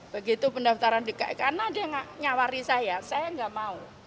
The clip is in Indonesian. begitu pendaftaran dki karena ada yang nyawari saya saya nggak mau